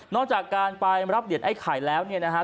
จากการไปรับเหรียญไอ้ไข่แล้วเนี่ยนะฮะ